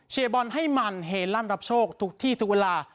บอลให้มันเฮลั่นรับโชคทุกที่ทุกเวลา